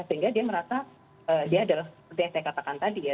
sehingga dia merasa dia adalah seperti yang saya katakan tadi ya